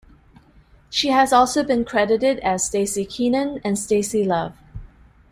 She has also been credited as Stacy Keenan and Staci Love.